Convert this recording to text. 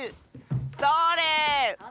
それ！